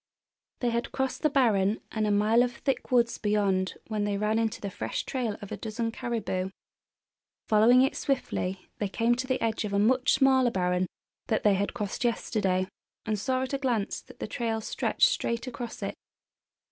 They had crossed the barren and a mile of thick woods beyond when they ran into the fresh trail of a dozen caribou. Following it swiftly they came to the edge of a much smaller barren that they had crossed yesterday, and saw at a glance that the trail stretched straight across it.